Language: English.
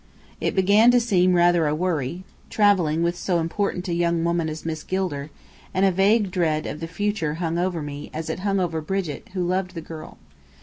It began to seem rather a worry, travelling with so important a young woman as Miss Gilder: and a vague dread of the future hung over me, as it hung over Brigit, who loved the girl.